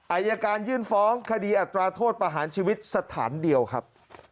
อายการยื่นฟ้องคดีอัตราโทษประหารชีวิตสถานเดียวครับ